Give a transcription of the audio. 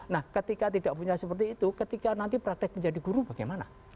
nah ketika tidak punya seperti itu ketika nanti praktek menjadi guru bagaimana